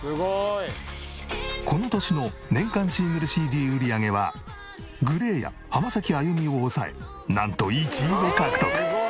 この年の年間シングルＣＤ売上はＧＬＡＹや浜崎あゆみを抑えなんと１位を獲得！